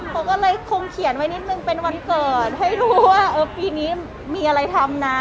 เขาก็เลยคงเขียนไว้นิดนึงเป็นวันเกิดให้รู้ว่าเออปีนี้มีอะไรทำนะ